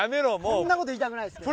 こんなこと言いたくないですけど。